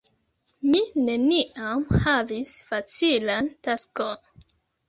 Mi neniam havis facilan taskon.